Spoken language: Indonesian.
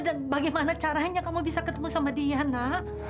dan bagaimana caranya kamu bisa ketemu sama dia nak